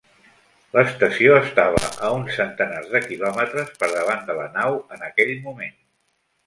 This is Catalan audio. L'estació estava a uns centenars de quilòmetres per davant de la nau en aquell moment.